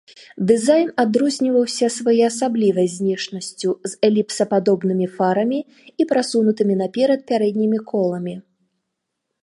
Дызайн адрозніваўся своеасаблівай знешнасцю з эліпсападобнымі фарамі і прасунутымі наперад пярэднімі коламі.